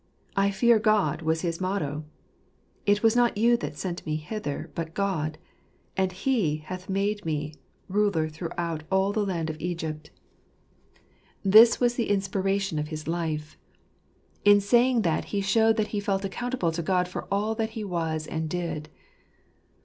" I fear God," was his motto. " It was not you that sent me hither, but God ; and He hath made me ... ruler throughout all the land of Egypt ": this was the 124 Jnsepli'a ^irniiuiatraiurn nf %«pt. inspiration of his life* f n saying that, he showed that he felt accountable to God for all he was and did.